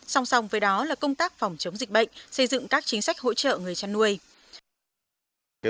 song song với đó là công tác phòng chống dịch bệnh xây dựng các chính sách hỗ trợ người chăn nuôi